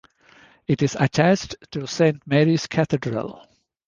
It is attached to Saint Mary's Cathedral.